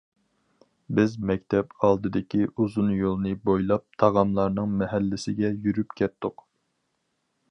بىز مەكتەپ ئالدىدىكى ئۇزۇن يولنى بويلاپ تاغاملارنىڭ مەھەللىسىگە يۈرۈپ كەتتۇق.